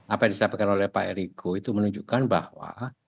apa yang disampaikan oleh pak eriko itu menunjukkan bahwa